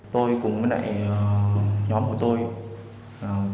tôi cùng với nhóm của tôi